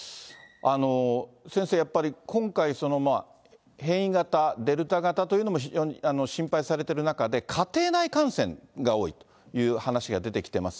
先生、やっぱり今回、変異型、デルタ型というのも非常に心配されている中で、家庭内感染が多いという話が出てきてます。